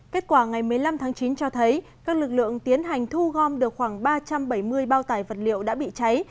kết quả ngày một mươi năm tháng chín cho thấy các lực lượng tiến hành thu gom được khoảng ba trăm bảy mươi bao tải vật liệu đã bị cháy